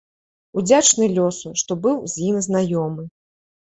Удзячны лёсу, што быў з ім знаёмы.